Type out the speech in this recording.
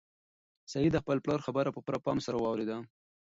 سعید د خپل پلار خبره په پوره پام سره واورېده.